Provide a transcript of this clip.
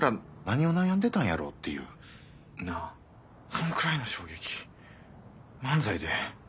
そんくらいの衝撃漫才で。